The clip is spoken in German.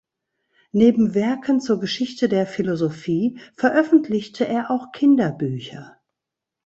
Neben Werken zur Geschichte der Philosophie veröffentlichte er auch Kinderbücher.